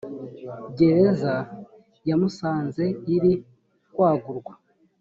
gereza ya musanze iri kwagurwa